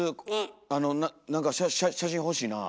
あの何か写真欲しいなあ。